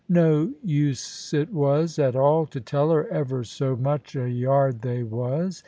No use it was at all to tell her ever so much a yard they was.